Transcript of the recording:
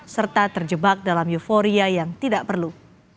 serta terjebak dalam euforia yang tidak perlu